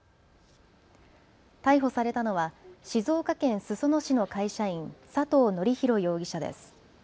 逮捕されたのは静岡県裾野市の会社員、佐藤紀裕容疑者です。